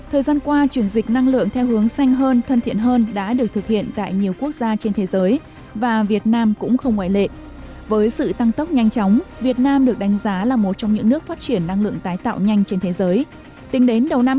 hãy đăng ký kênh để ủng hộ kênh của chúng mình nhé